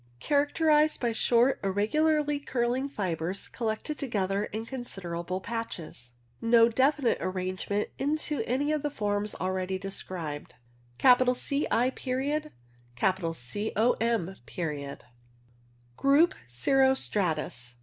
Characterized by short irregularly curling fibres collected together in considerable patches. No definite arrangement into any of the forms already described. Ci. Com. Group Cirro stratus.